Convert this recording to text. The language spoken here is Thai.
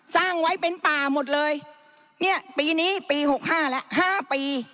สร้างไว้เป็นป่าหมดเลยเนี่ยปีนี้ปีหกห้าแล้วห้าปี